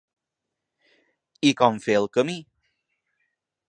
I com fer el camí?